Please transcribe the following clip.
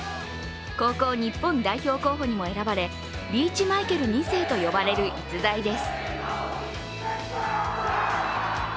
高校日本代表候補にも選ばれリーチマイケル２世とも呼ばれる逸材です。